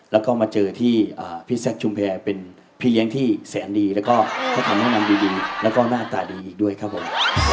แล้วก็มาเจอที่พี่แซคชุมแพรเป็นพี่เลี้ยงที่แสนดีแล้วก็ให้คำแนะนำดีแล้วก็หน้าตาดีอีกด้วยครับผม